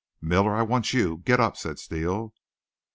"Miller, I want you. Get up," said Steele.